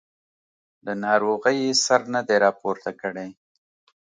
له ناروغۍ یې سر نه دی راپورته کړی.